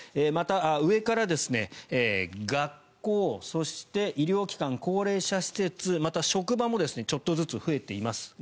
また、上から学校そして医療機関、高齢者施設また職場もちょっとずつ増えています。